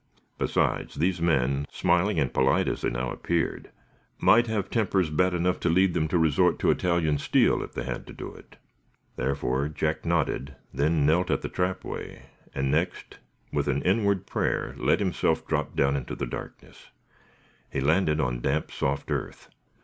Besides, these men, smiling and polite as they now appeared, might have tempers bad enough to lead them to resort to Italian steel, if they had to do it. Therefore Jack nodded, then knelt at the trapway, and next, with an inward prayer, let himself drop down into the darkness. He landed on damp, soft earth.